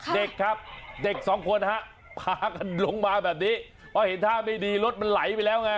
เด็กครับเด็กสองคนฮะพากันลงมาแบบนี้เพราะเห็นท่าไม่ดีรถมันไหลไปแล้วไง